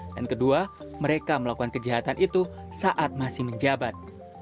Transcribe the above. dan kedua mereka melakukan kejahatan itu saat masih menjabat